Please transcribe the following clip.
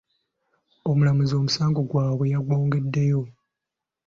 Omulamuzi omusango gwabwe yagwongeddeyo.